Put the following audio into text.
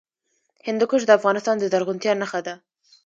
هندوکش د افغانستان د زرغونتیا نښه ده.